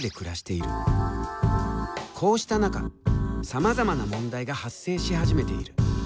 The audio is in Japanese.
こうした中さまざまな問題が発生し始めている。